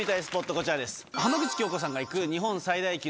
こちらです。